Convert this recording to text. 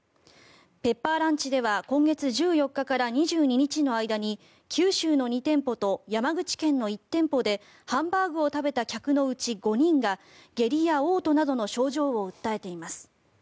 ペッパーランチでは今月１４日から２２日の間に九州の２店舗と山口県の１店舗でハンバーグを食べた客のうち５人が下痢やおう吐などの症状を訴えています。